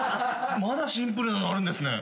まだシンプルなのあるんですね。